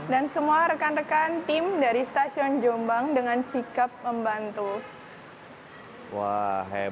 dan semua rekan rekan tim dari stasiun jombang dengan sikap membantu